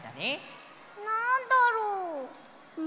なんだろう？